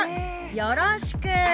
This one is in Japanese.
よろしく。